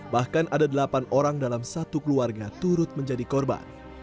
bahkan ada delapan orang dalam satu keluarga turut menjadi korban